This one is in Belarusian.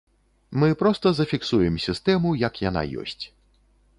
Мы проста зафіксуем сістэму, як яна ёсць.